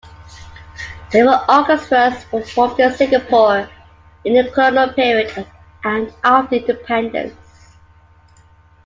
Several orchestras were formed in Singapore in the colonial period and after independence.